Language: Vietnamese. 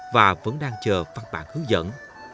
và vẫn đang chờ phát bản hướng dẫn